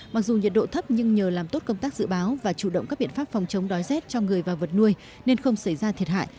mặc dù nhiệt độ thấp nhưng nhờ làm tốt công tác dự báo và chủ động các biện pháp phòng chống đói rét cho người và vật nuôi nên không xảy ra thiệt hại